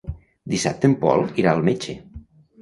Dissabte en Pol irà al metge.